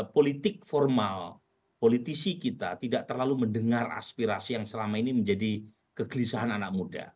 politik formal politisi kita tidak terlalu mendengar aspirasi yang selama ini menjadi kegelisahan anak muda